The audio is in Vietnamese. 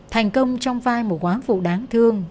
thành công trong vai một quán vụ đáng thương